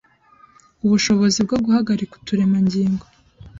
ubushobozi bwo guhagarika utu turemangingo